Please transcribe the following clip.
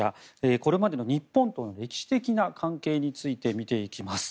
これまでの日本との歴史的な関係について見ていきます。